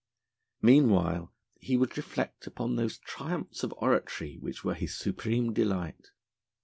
Meanwhile he would reflect upon those triumphs of oratory which were his supreme delight.